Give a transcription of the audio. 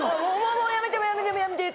「もうやめてやめてやめて！」。